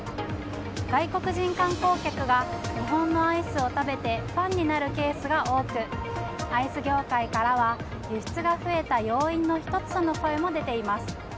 外国人観光客が日本のアイスを食べてファンになるケースが多くアイス業界からは輸出が増えた要因の１つとの声も出ています。